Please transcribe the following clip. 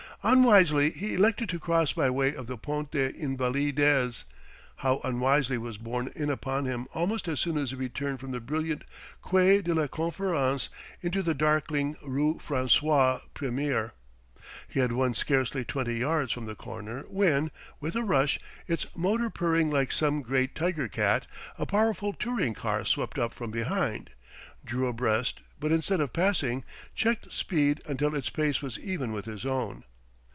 Unwisely he elected to cross by way of the Pont des Invalides how unwisely was borne in upon him almost as soon as he turned from the brilliant Quai de la Conférence into the darkling rue François Premier. He had won scarcely twenty yards from the corner when, with a rush, its motor purring like some great tiger cat, a powerful touring car swept up from behind, drew abreast, but instead of passing checked speed until its pace was even with his own.